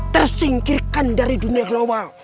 tersingkirkan dari dunia global